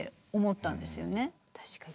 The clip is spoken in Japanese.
確かに。